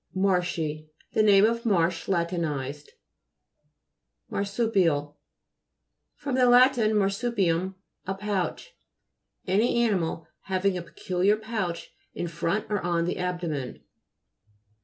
MA'RSHII The name of Marsh la tinized. MAHSU'PIAL fr. lat. marsupium, a pouch. Any animal having a pe culiar pouch in front or on the ab domen.